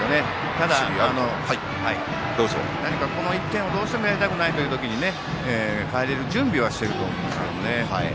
ただ、何か、この１点をどうしてもやりたくない時に代えれる準備はしていると思います。